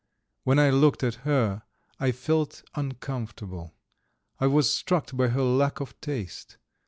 When I looked at her I felt uncomfortable. I was struck by her lack of taste.